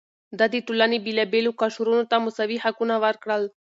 ده د ټولنې بېلابېلو قشرونو ته مساوي حقونه ورکړل.